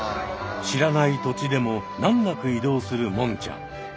知らない土地でも難なく移動するもんちゃん。